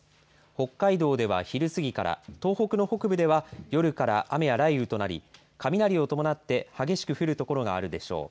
北海道では昼過ぎから東北の北部では夜から雨や雷雨となり雷を伴って激しく降るところがあるでしょう。